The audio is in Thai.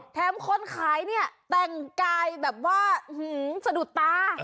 คนขายเนี่ยแต่งกายแบบว่าสะดุดตา